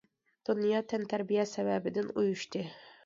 دۇنيا تەنتەربىيە سەۋەبىدىن ئۇيۇشتى.